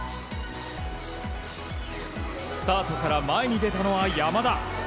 スタートから前に出たのは、山田。